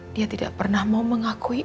dia tidak pernah mau mengakui